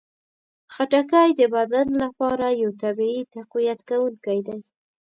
خټکی د بدن لپاره یو طبیعي تقویت کوونکی دی.